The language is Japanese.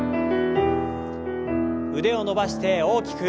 腕を伸ばして大きく。